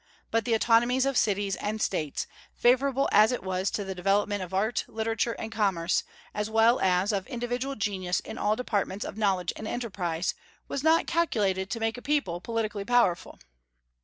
But the autonomy of cities and states, favorable as it was to the development of art, literature, and commerce, as well as of individual genius in all departments of knowledge and enterprise, was not calculated to make a people politically powerful.